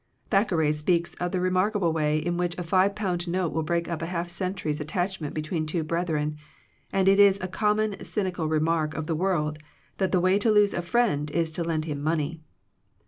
Thackeray speaks of the remarkable way in which a five pound note will break up a half century's at tachment between two brethren, and it is a common cynical remark of the world that the way to lose a friend is to lend him money.